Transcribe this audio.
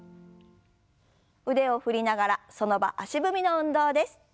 腕を振りながらその場足踏みの運動です。